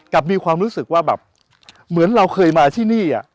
มีความรู้สึกว่าแบบเหมือนเราเคยมาที่นี่